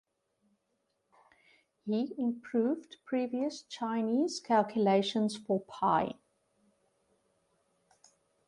He improved previous Chinese calculations for pi.